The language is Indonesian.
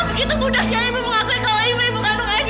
dan sekarang begitu mudahnya ibu mengakui kalau ibu ibu kandung evita